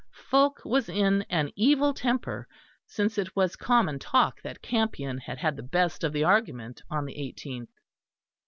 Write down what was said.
Fulke was in an evil temper, since it was common talk that Campion had had the best of the argument on the eighteenth.